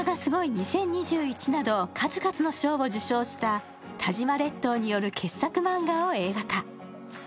２０２１」など数々の賞を受賞した田島列島による傑作マンガを映画化。